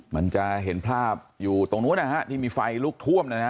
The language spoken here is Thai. มันจะเห็นภาพอยู่ตรงนู้นนะฮะที่มีไฟลุกท่วมนะฮะ